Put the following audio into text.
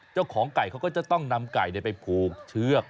เจ้าของไก่เขาก็จะต้องนำไก่ไปผูกเชือก